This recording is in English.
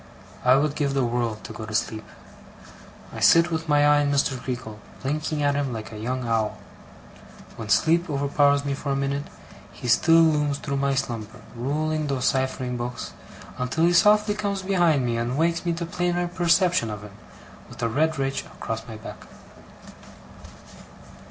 I would give the world to go to sleep. I sit with my eye on Mr. Creakle, blinking at him like a young owl; when sleep overpowers me for a minute, he still looms through my slumber, ruling those ciphering books, until he softly comes behind me and wakes me to plainer perception of him, with a red ridge across my back.